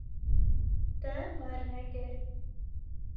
Te bar nekir.